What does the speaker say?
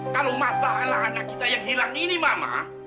kalau masalah anak anak kita yang hilang ini mama